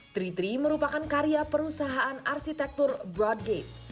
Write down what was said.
tri tri merupakan karya perusahaan arsitektur broadgate